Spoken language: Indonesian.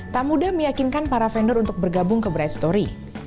tak mudah meyakinkan para vendor untuk bergabung ke bright story